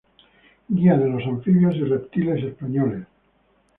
Guía de los anfibios y reptiles españoles.